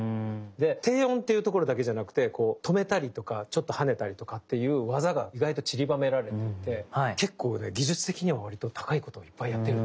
で低音っていうところだけじゃなくてこう止めたりとかちょっと跳ねたりとかっていう技が意外とちりばめられていて結構ね技術的にはわりと高いことをいっぱいやってる。